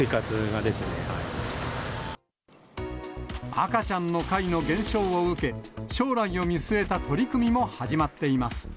赤ちゃんの貝の減少を受け、将来を見据えた取り組みも始まっています。